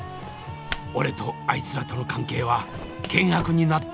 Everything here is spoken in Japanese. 俺とあいつらとの関係は険悪になっていった。